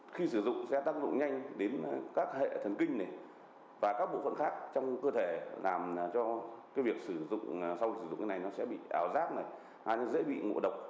khi sử dụng sẽ tác dụng nhanh đến các hệ thần kinh và các bộ phận khác trong cơ thể làm cho việc sử dụng sau sử dụng này sẽ bị ảo giác dễ bị ngộ độc